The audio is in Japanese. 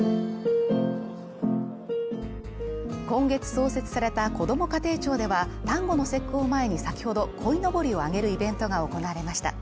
今月創設されたこども家庭庁では、端午の節句を前に先ほど鯉のぼりを上げるイベントが行われました。